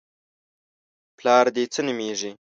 _پلار دې څه نومېږي؟